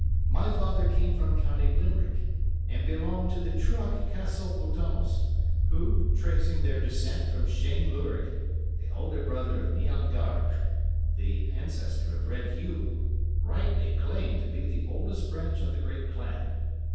My father came from County Limerick, and belonged to the Truagh Castle O'Donnells, who, tracing their descent from Shane Luirg, the elder brother of Niall Garbh, the ancestor of Red Hugh, rightly claim to be the oldest branch of the great clan.